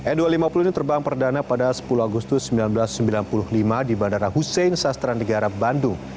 n dua ratus lima puluh ini terbang perdana pada sepuluh agustus seribu sembilan ratus sembilan puluh lima di bandara hussein sastra negara bandung